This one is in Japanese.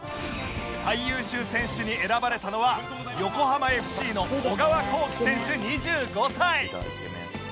最優秀選手に選ばれたのは横浜 ＦＣ の小川航基選手２５歳